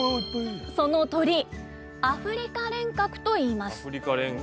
その鳥アフリカレンカクといいます。